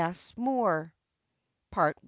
S. Moore.] PART I.